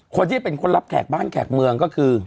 คนที่เป็นคนรับแขกบ้านแขกเมืองก็คือ